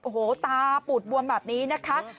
โอ้โหตาปูดบวมแบบนี้นะคะ